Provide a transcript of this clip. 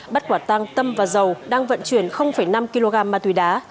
bắt quả tăng tâm và giàu đang vận chuyển năm kg ma túy đá